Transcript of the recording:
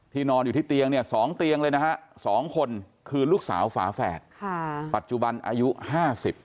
ที่นอนอยู่ที่เตียง๒เตียงเลยนะครับ๒คนคือลูกสาวฝาแฝดปัจจุบันอายุ๕๐นะครับ